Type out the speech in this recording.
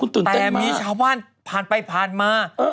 แต่มีชาวบ้านผ่านไปผ่านมา